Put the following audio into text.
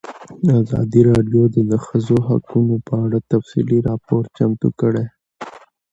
ازادي راډیو د د ښځو حقونه په اړه تفصیلي راپور چمتو کړی.